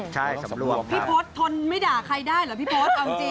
พี่พศทนไม่ด่าใครได้เหรอพี่พศ